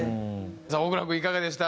さあ大倉君いかがでした？